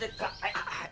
はい。